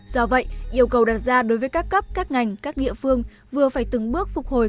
do vậy yêu cầu đặt ra đối với các cấp các ngành các địa phương vừa phải từng bước phục hồi